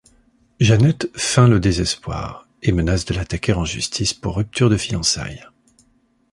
Jeanette feint le désespoir et menace de l'attaquer en justice pour rupture de fiançailles.